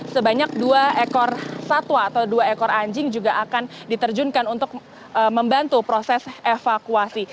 sebanyak dua ekor satwa atau dua ekor anjing juga akan diterjunkan untuk membantu proses evakuasi